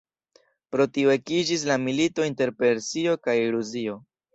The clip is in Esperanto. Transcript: Pro tio ekiĝis la milito inter Persio kaj Rusio.